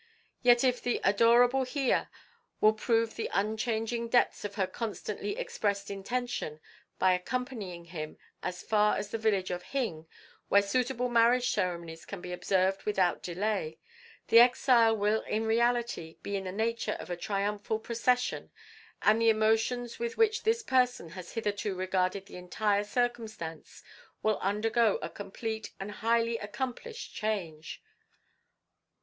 Yet if the adorable Hiya will prove the unchanging depths of her constantly expressed intention by accompanying him as far as the village of Hing where suitable marriage ceremonies can be observed without delay, the exile will in reality be in the nature of a triumphal procession, and the emotions with which this person has hitherto regarded the entire circumstance will undergo a complete and highly accomplished change."